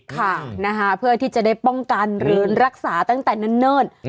ค่ะนะคะเพื่อที่จะได้ป้องกันหรือรักษาตั้งแต่เนิ่น